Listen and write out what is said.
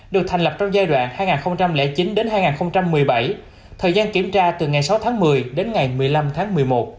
được thành lập trong giai đoạn hai nghìn chín hai nghìn một mươi bảy thời gian kiểm tra từ ngày sáu tháng một mươi đến ngày một mươi năm tháng một mươi một